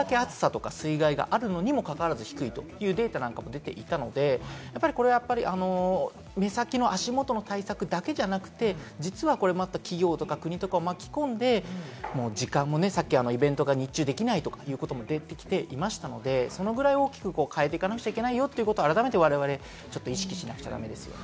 これだけ暑さ災害があるにも関わらず低いというデータも出ているので、目先の足元の対策だけじゃなくて、実は企業とか国とかを巻き込んで時間もさっきイベントが日中できないってことも出てきていましたので、そのぐらい大きく変えていかなくちゃいけないってことを改めて意識しなくちゃダメですね。